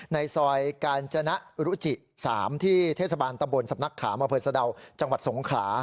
ในซอยกาญจนะรุจิ๓ที่เทศบาลตำบลสำนักขามอำเภอสะดาวจังหวัดสงขลา